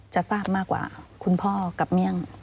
จะทราบมากกว่าคุณพ่อกับเมี่ยง